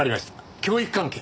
教育関係。